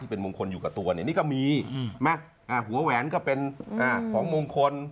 เป็นมงคลอยู่กับตัวเนี่ยนี่ก็มีหัวแหวนก็เป็นของมงคล